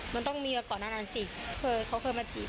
มันต้องมีกับก่อนนั้นสิเขาเคยมาจีบค่ะ